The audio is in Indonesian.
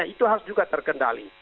itu harus juga terkendali